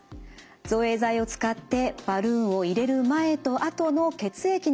造影剤を使ってバルーンを入れる前と後の血液の流れを比較します。